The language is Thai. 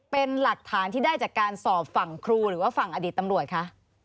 เป็นหลักฐานที่ได้จากการสอบฝั่งครูหรือว่าฝั่งอดีตตำรวจคะ